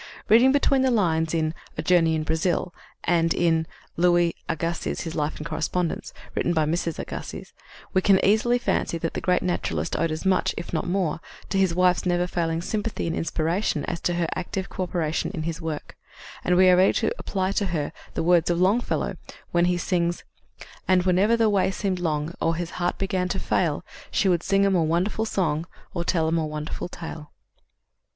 Reading between the lines in A Journey in Brazil, and in Louis Agassiz, His Life and Correspondence, written by Mrs. Agassiz, we can easily fancy that the great naturalist owed as much, if not more, to his wife's never failing sympathy and inspiration as to her active coöperation in his work, and we are ready to apply to her the words of Longfellow when he sings: "And whenever the way seemed long, Or his heart began to fail, She would sing a more wonderful song Or tell a more wonderful tale."